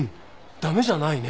駄目じゃないね。